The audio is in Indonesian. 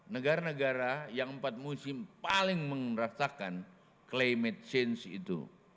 negara negara yang empat musim paling merasakan climate change itu